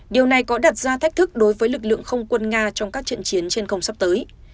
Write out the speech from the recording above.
điều này có đặt ra thách thức đối với lực lượng không quân nga trong các trận chiến trên không sắp tới